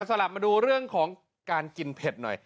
สำหรับมาดูเรื่องของการกินเผ็ดหน่อย